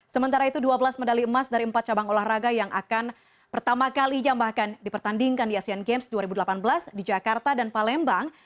sementara itu dua belas medali emas dari empat cabang olahraga yang akan pertama kali jambahkan dipertandingkan di asean games dua ribu delapan belas di jakarta dan palembang